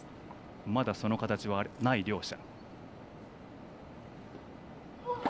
まだその形はない両者。